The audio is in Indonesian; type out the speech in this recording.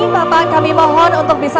bapak kami mohon untuk bisa